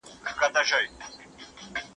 د حق لاره مه پرېږدئ.